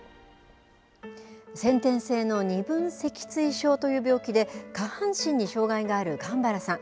先天性の二分脊椎症という病気で、下半身に障害があるかんばらさん。